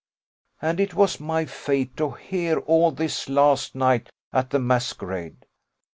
And it was my fate to hear all this last night at the masquerade.